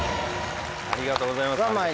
ありがとうございます。